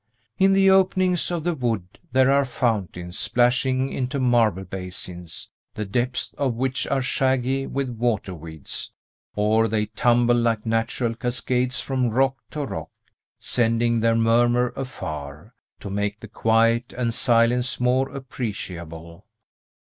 In the openings of the wood there are fountains plashing into marble basins, the depths of which are shaggy with water weeds; or they tumble like natural cascades from rock to rock, sending their murmur afar, to make the quiet and silence more appreciable.